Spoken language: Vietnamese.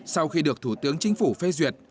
sau khi được thủ tướng chính phủ